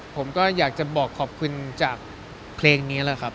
ผมก็อยากจะบอกขอบคุณจากเพลงนี้แหละครับ